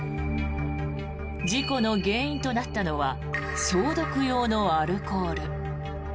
事故の原因となったのは消毒用のアルコール。